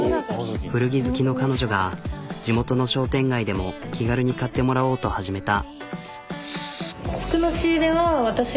古着好きの彼女が地元の商店街でも気軽に買ってもらおうと始めた。